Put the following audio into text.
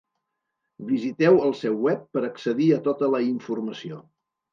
Visiteu el seu web per accedir a tota la informació.